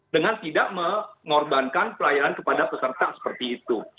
dengan tidak mengorbankan pelayanan kepada peserta seperti itu